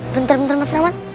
bentar bentar mas rahmat